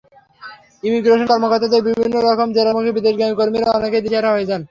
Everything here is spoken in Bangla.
ইমিগ্রেশন কর্মকর্তাদের বিভিন্ন রকম জেরার মুখে বিদেশগামী কর্মীরা অনেকেই দিশেহারা হয়ে যান।